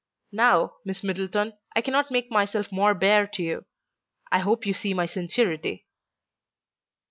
Now, Miss Middleton, I cannot make myself more bare to you. I hope you see my sincerity."